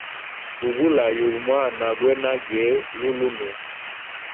Bugula yugu mwana gwene nage lulunwe.